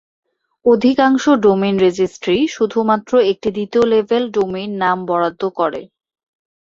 অধিকাংশ domain registry শুধুমাত্র একটি দ্বিতীয়-লেভেল ডোমেইন নাম বরাদ্দ করে।